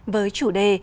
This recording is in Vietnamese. với chủ đề